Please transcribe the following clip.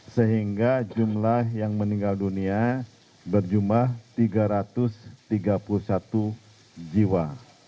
sehingga jumlah yang meninggal dunia berjumlah tiga ratus tiga puluh satu jiwa